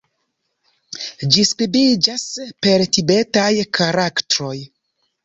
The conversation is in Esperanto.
Ĝi skribiĝas per tibetaj karaktroj.